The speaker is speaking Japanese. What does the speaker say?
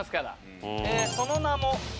その名も。